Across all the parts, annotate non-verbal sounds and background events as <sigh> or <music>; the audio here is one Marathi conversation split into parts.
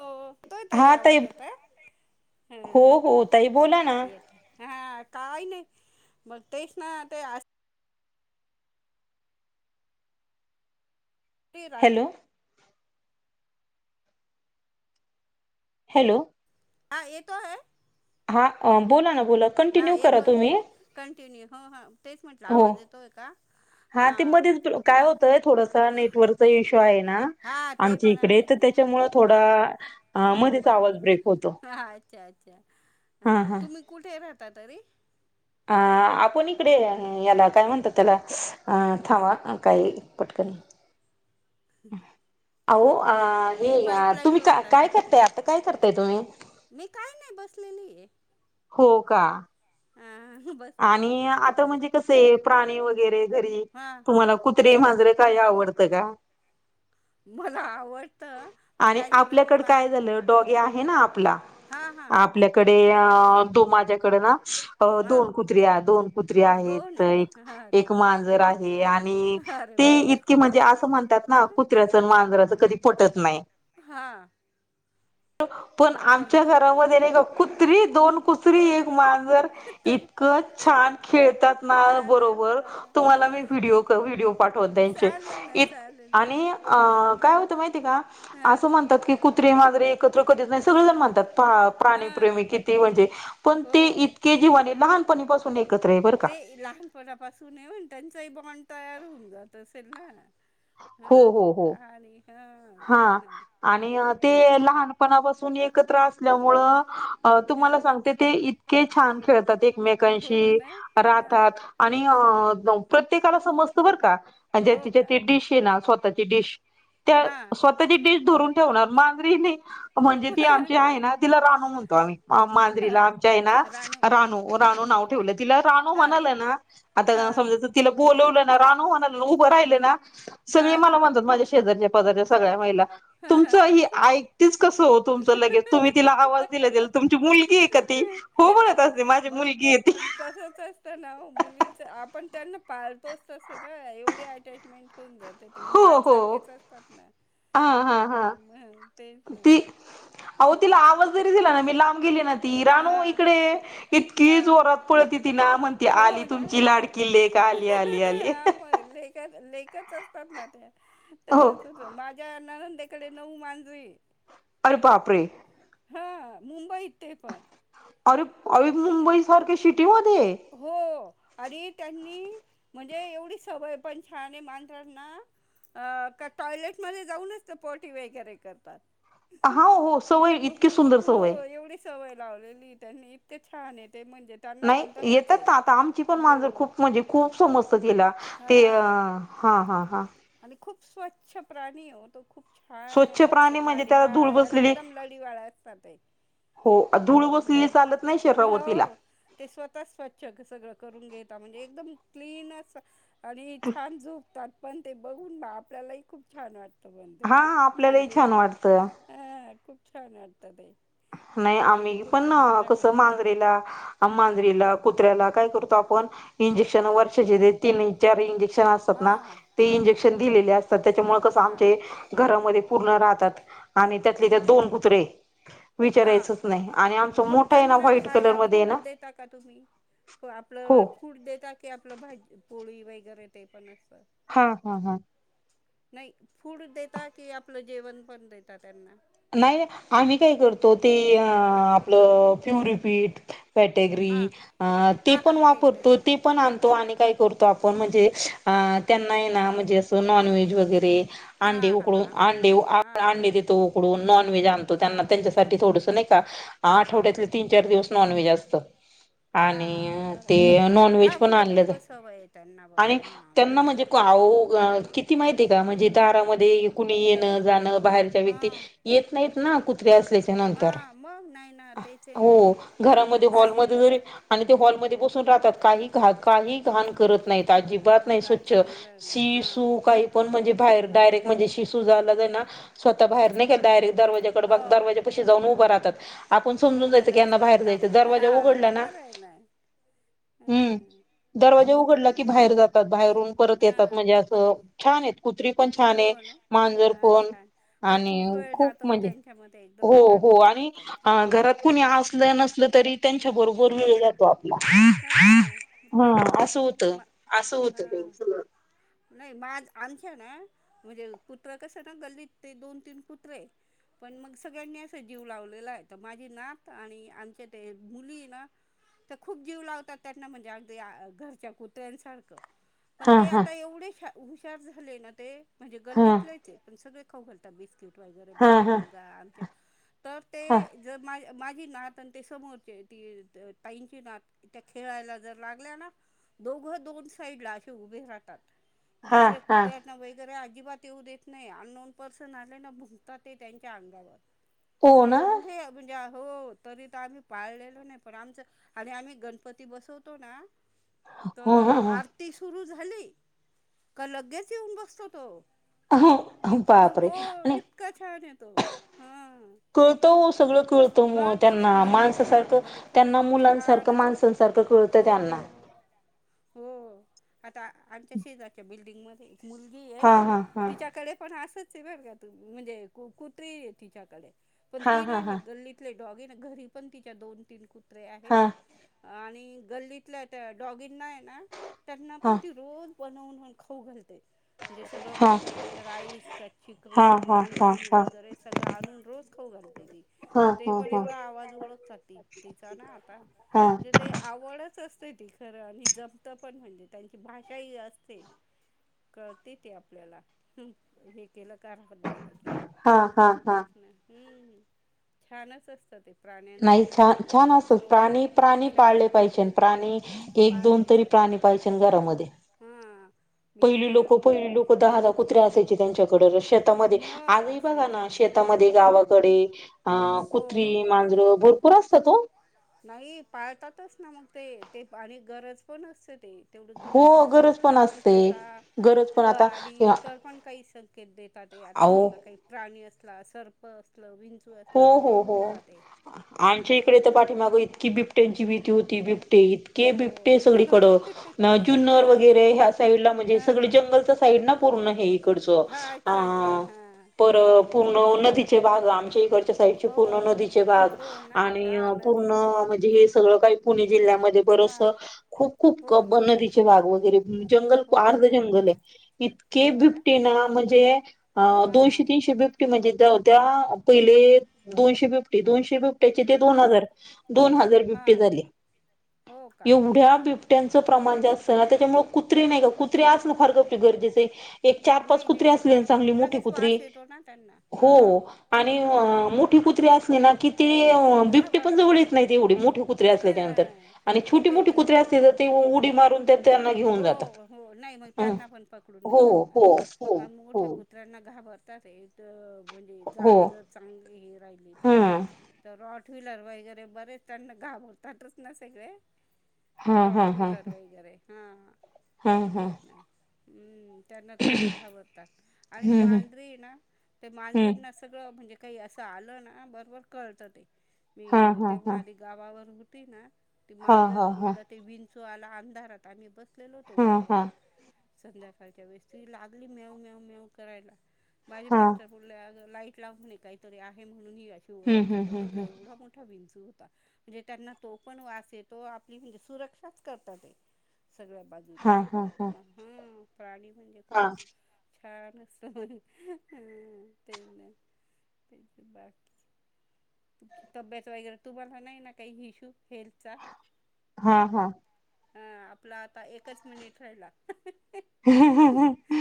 हो होतो ताई आवाज येतोय. हो हम्म. हो ताई बोला ना ते ह काही नाही ब तेच ना ते रात्री. Hello hello. हा येतोय. हा, बोला ना. बोला हा कंटिन्यू करा येतोय. तुम्ही कंटिन्यू हो हा. तेच म्हटलं हो आवाज येतोय का हा ते हां मध्ये काय होतय थोडसा नेटवर्कचा इशू आहे. हां ते आमच्या पण इकडे आहेच तर नाही त्यांच्यामुळ त्याचं हां थोडा मध्येेच आवाज बरं ब्रेक होतो. हां अच्छा अच्छा! हा अ हा तुम्ही कुठे राहता तरी? अ आपण इकडे याला काय म्हणतात त्याला अ थांवा काही पटक का? आवो. अ हे मी या पाईपलाईन तुम्ही का रोडला काय राहते करताय आता काय करताय तुम्ही? ली हो का? बसली आहे आणि एका आता ठिकाणी म्हणजे कसे प्राणी वगैरे घरी हां तुम्हाला कुत्रे म्ह जर काय आवडतं का? ह. आणि झालं मी आपल्याकडं मा काय झालं? डॉगी आहे ना आपला. हा हा आपल्याकडे अ तो माझ्याकडे ना हा दोन. कुत्री दोन कुत्री दोन आहेत आहे हा अरे एक बापरे मांजर आहे आणि अरे ते इतके बापरे म्हणजे ते असं म्हणतात ना कुत्र्याचं मांजराचं कधी पटत नाही. हा... पण ह तर आमच्या मग घरामध्ये कुत्री दोन कुत्री एक मांजर इ तर छान खेळतात ना अरे बरोबर वा तुम्हाला मी व्हिडओ व्हिडिओ पाठवते त्यांचे इत <inaudible> आणि अ काय होतं माहिती का असं हां म्हणतात की कुत्रे माजरे एकत्र कधीच नाही सगळे जण म्हणतात. हां प्राणीप्रेमी किती म्हणजे पण हो ते इतके जीवाने लहानपणी पासून एक ते लहानपणापासून येऊन त्यांचाही बॉन्ड तयार होऊन जात असेल ना हो हो हो हा आनी हा आणि ते लहानपणापासून एकत्र मुळे तुम्हाला हां सांगते ते इतके छान खेळतात. हो एकमेकांशी ना हां राहतात आणि अं... प्रत्येकाला समजत बर का. म्हणजे हो तिथे का ती डिश ये ना स्वतःची डिश त्या हां स्वतःची डिश धरून- ठेवणार मांजरी नाही म्हणजे ती आमची आहे ना तिला रानु म्हणतो आम्ही मांजरीला हां आमच्या आहे ना राणू रानू रानू नाव हां ठेवलं. तिला राणू हां म्हणाले ना आता हां समजायचं तिला बोलावलं रानू म्ह उभं राहिले ना हा सगळे मला म्हणतात माझ्या शेजारच्या पदारच्या सगळ्या महिला हा तुमचं ही ऐकतीच कसं हो तुमचं लगेच तुम्ही तिला आवाज दिला तेल तुमची मुलगी का ती हो म्हणत असते माझी मग मुलगी आहे ती मग तसच असत ना मुलींच आपण त्यांना पाळतोच तसं ना एवढी अटॅचमेंट होऊन जात. तर ते हो हो मुलांसारखेच असतात ना, हा ते हा हा गेम तेच ना ती अह तिला आवाज तरी दिला ना मी लांब गेली ना राणू हा इकडे ये इतकी‌ हा जोरात पळत येती ना म्हणती हो आली ना तुमची लाडकी लेक. आली आली आली लेक च असतात ना हो त्या माझ्या नंनद त्यांच्याकडे नऊ मांजरी अरे बापरे! हा मुंबईत ते पण अरे अरे मुंबई सारखे सिटीमध्ये हो आणि त्यांनी म्हणजे एवढी सवय पण छान आहे मांजरांना अ का टॉयलेट मध्ये जाऊनच ते पाॅटी वगैरे करतात हा हो सवय हो इतकी सुंदर हो सवय एवढी सवय लावलेली त्यांनी इतके छान येते म्हणजे त्यांना पण तसंच आहे आ आमची पण हो मांजर खूप म्हणजे खूप समजत तिला हा ते हा हां आणि खूप स्वच्छ प्राणी हो तो खूप छान स्वच्छ आहे असं प्राणी म्हणजे त्याला लाडीवाळ धूळ अरे बसलेली एकदम लडीवाळ असतात आहे हो धूळ हो बसलेली चालत नाही शरीरावर तिला हो ते स्वतः स्वच्छ सगळं करून घेत म्हणजे एकदम क्लीनस आणि छान झोपतात पण ते बघून आपल्यालाही खूप छान वाटतं बर हा ना आपल्यालाही मांजरे ना छान वाटतं खूप छान वाटतात नाही आम्ही पण कसं होतं मांजरेला मांजरीेला कुत्र्याला काय करू आपण इंजेक्शन हां वर्षाचे तीन चार इंजेक्शन इंजेक्शन असतात ना हां ते हां हां इंजेक्शन हां दिलेले असतात त्याच्यामुळे कसं आमचे हां घरामध्ये पूर्ण राहतात आणि त्यातले त्या दोन कुत्रे हां विचारायचच नाही आणि आमचं मग मोठा आहे ना त्यांना व्हाईट कलर खायला मध्ये आहे फूड ना देता का तुम्ही हो आपलं फूड देेता की आपलं भाजी पोळी वगैरे ते पण असतात हा हा हा नाही फूड देता कि आपलं जेवण पण देता त्यांना नाही आम्ही काय करतो ते आपलं प्युरीपीठ फॅटेगरी हां ते हां पण हां पेढे वापरतो, ते पण आणतो आणि काय करतो आपण म्हणजे अ त्यांना आहे ना म्हणजे असं नॉन व्हेज वगैरे अंडे हां हां उकडून हां हां अंडे हां अं देतो उकडून नॉन व्हेज आणतो त्यां हां त्यांच्यासाठी थोडस नाही का हां हां आठवड्यात तीन चार दिवस नॉनव्हेज असत. हां हां हां आणि बरं आहे ना ते नॉन व्हेज हां पण म्हणजे आणलं दोघं सवय आहे त्यांना ब आणि हां त्यांना मिक्स म्हणजे, हो किती माहिती आहे का म्हणजे दारामध्ये कुणी येणं जाणं बाहेरच्या व्यक्ती हां येत नाहीत ना कुत असल्या नंतर हां मग नाही ना तेच आहे ना घरामध्ये हॉलमध्ये जरी आणि ते हॉलमध्येध्य् बसून राहतात काही घा काही घाण करत नाहीत अजिबात हो नाही का स्वच्छ चांगलं आहे मग शि हां सू काही पण म्हणजे बाहेर नाही डायरेक्ट ते म्हणजे शिसू झाला जा ना स्वतः बाहेर नाही गेले डायरेक्ट दरवाजाकड हो बघतात दरवाजापाशी जाऊन उभ राहतात. आपण हो समजून का जायचं कि लगेच यांना बाहेर कळतं जायचं आपल्याला दरवाजा उघडला हां ना बरं आहे ना हम्म हां दरवाजा उघडला तेच की ना बाहेर जातात, बाहेरून परत येतात हां म्हणजे असं छान आहेत कुत्री पण छान हो आहे ना मांजर हा पण छान आम्ही खूप वेळ जातो त्यांच्यामध्ये एकदम हो छान हो वाटतं आणि त्यांचे घरात कुणी असलं नसलं तरी त्यांच्या हां बरोबर वेळ जातो. आपला हां हा तेच ना असं होतं म असं होत. हां नाही माझ आमच्या ना म्हणजे कु हीत्रा कस ना गल्लीत ते दोन तीन कुत्रे पण मग सगळ्यांनी अस जीव लावलेला आहे तर माझी नात आणि आमच्या ते मुली ना तर खूप जीव लावतात त्यांना म्हणजे अगदी घरच्या कुत्र्यांसारखं पण हा ते हा आता एवढे श हुशार झाले ना ते म्हणजे हा गल्लीतले आहे ते पण सगळे खाऊ घालतात बीस.. <unintelligible> हा माझा हा मुलगा आमच्या तर ते हा जर माझ माझी नात आणि ते समोरचे ती ताईंची नात त्या खेळायला जर लागल्या ना दोघं दोन साईड ला असे उभे राहतात. हा दुसरे हा कुत्र्यात ना वगैरे अजिबात येऊ देत नाही अनोन पर्सन आले ना भुंकतात ते त्यांच्या अंगावर हो न्जे ना म्हणजे हो तरी तर आम्ही पाळलेलो नाही पण आमचं आणि आम्ही गणपती बसवतो ना तर ह ह आरती सुरू झा ली, क लगेच येऊन बसतो तो. ह इतकं बापरे हो आणि इतका छान आहे तो हा कळत ओ सगळं कळतं म त्यांना सगळं त्यांना माणसासारखं म्हणजे त्यांना खरंच छान मुलांसारखं माण असतात ते संसारखं कळत त्यांना हो हो आता आमच्या शेजारच्या बिल्डिंगमध्ये मुलगी आहे हा हा हा तिच्याकडे पण असंच म्हणजे कुत्री आहेत तिच्याकडे पण हा ती हा नाही हा गल्लीतले डॉग घरी पण तिच्या दोन तीन कुत्रे आहेत. हा आणि गल्लीतल्या त्या डॉगींना आहे ना त्यांना हा पण ती रोज बनवून खाऊ घालते. जे सगळं हा मस्त ते राईस त्यात हा हा चिकण हा हा अंडी वगैरे सगळं आणून रोज खाऊ घालते ती हा हा तर ते हा पण एवढा आवाज ओळखात तीचा ना आता हा म्हणजे ते आवडच असते ती खरं आणि जपतं पण म्हणजे त्यांची भाषा ही असते. कळते ती आपल्याला हे गलं का राहत गेलं की हा हा हा तेच ना हम्म छानच असत. नाही छान छान असतात हो प्राणी प्राणी खूप छान पाळले पाहिजे, असतं प्राणी एक दोन तरी प्राणी पाहिजे घरामध्ये हां पहिली मी लोकं पहिली लोकं दहा दहा कुत्र्या असायचे त्यांच्याकडे शेतामध्ये मग आजही बघा असायचे ना शेतामध्ये गावाकडे अ कुत्री हो मांजरं भरपूर असतात ओ. नाही पाळतातच ना मग ते ते आणि गरज पण असते ते, तेवढी घराची हो गरज सुरक्षा पण असते ठेवतात. गरज पण अ आता आणि इतर पण काही संकेत देतात ते आता अहो समजा काही प्राणी असतात. सर्प असल विं हो हो हो आमच्या इकडे तर हा पाठीमाग इतकी बिबट्यांची भीती होती बिबट. इतके हो बिबटे सगळीकडं जुन्नर हा वगैरे ह्या साईड ला म्हणजे सगळ हा जंगलचं सा. पूर्ण हे इकडचं हा अच्छा अच्छा आं हा पर. नदीचे भाग आमचे. साईड पूर्ण हो नदीचे भाग हो ना हा आणि नदी पूर्ण म्हणजे हे सगळं काही पु. जिल्ह्यामध्ये हा बरचंस खूप खूप हो क ना नदीचे भाग वगैरे जंगल हो अर्ध ना जंगल आहे. इतके बिबटे ना म्हणजे अ हां दोनशे तीनशे बिबटे म्हणजे जा. त्या पहिले दोनशे बिबटे दोनशे बीब त्याचे ते दोन हां हजार दोन हजार बिबटे हां झाले. हो का एवढ्या अरे बिबट्यांचं बापरे प्रमाण जे असतं ना. त्यामुळे कुत्रे नाही का कुत्रे असनं फार गरजेचं हाय. नाही नाही ते पाहिजे लगेच वास येतो ना त्यांना हो हा. आणि मोठी कुत्री असली ना की. ते बिबटे पण जवळ घाबरतात ते येत नाही तेवढे मोठे कुत्रे असल्याच्या नंतर आणि छोटे ते मोठे तर कुत्रे आहे असले तर ते उडी मारून तेन त्यांना घेऊन हो जातात हो नाही मग हो त्यांना पण हो हो. हो त्या कुत्र्यांना घाबरतात म्हणजे हो जात जर चांगली हे राहिली तर. हम्म तर रॉट व्हीलर वगैरे बरेच त्यांना घाबरतातच ना सगळे. हा रॉट हा हा व्हीलर वगैरे हा हा हा तेच ना हम्म. त्यांना त खूप घाबरतात आणि हम्म मांदरी ना ते हम्म मांदरींना सगळं म्हणजे. काही असं आलं ना बरोबर कळत ते हा मी हा तेव्हा हा आधी गावावर होती ना. ते हा मांजर हा हा एकदा ते विंचू आला अंधारात आम्ही बसलेलो होतो ओट्यावर. संध्याकाळच्या वेळेस तु लागली मेव मव मेव करायला माझे हा बिस्र फरले. लाईट लागणे काहीतरी आहे म्हणून बघितलं एवढा मोठा विंचू.. म्हणजे त्यांना तो पण वा तो आपली म्हणजे सुरक्षा करत सगळ्या बाजूनी मग हा प्राणी म्हणजे खूप. हा छान असय त्यां बाकी. तब्येत वगैरे तुम्हाला नाही ना काही हिशू. फरचा. हा ह आपला आता एकच मिनिट राहिला. ह् ह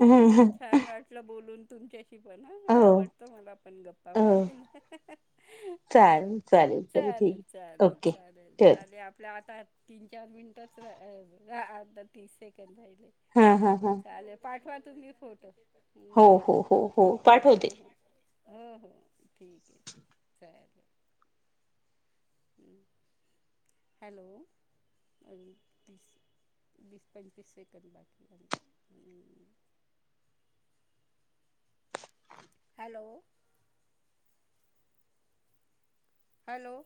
हम्म नाही ह. छान वाटलं बोलून तुमच्याशी पण आवडतं मला पण गप्प. ना हम. चालेल चालेल ठीक चालेल ओके चालेल ठेव झाले आपल्या ठ तीन चार मिनिटच तीस सेक हा हा हा चालेल पाठवा तुम्ही फोटो. हो हो हम्म हो हो हो पाठवते. हो हो हो ठीक. आहे ठीक आहे <unintelligible> चालेल हॅलो! वीस पंचवीस सेकंड बाकी. हॅलो! हॅलो!